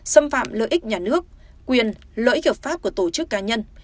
xâm phạm lợi ích nhà nước quyền lợi ích hợp pháp của tổ chức cá nhân